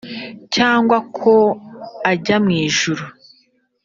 cyangwa ko ajya mu ijuru